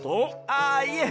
あっいえ。